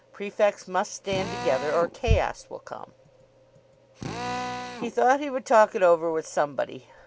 Prefects must stand together or chaos will come. He thought he would talk it over with somebody.